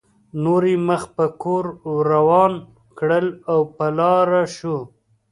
نور یې مخ په کور روان کړل او په لاره شو.